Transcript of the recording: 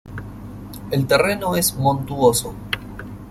El terreno es montuoso.